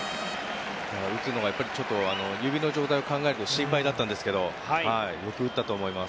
打つのがちょっと指の状態を考えると心配だったんですけどよく打ったと思います。